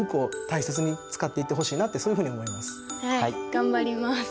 頑張ります。